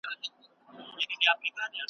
غریب سړی ابلک یې سپی